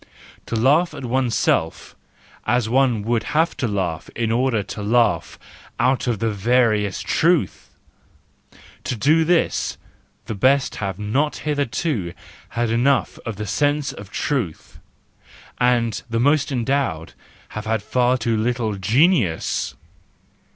To laugh at oneself as one would have to laugh in order to laugh out of the veriest truth ,—to do this the best have not hitherto had enough of the sense of truth, and the most endowed have had far too little genius!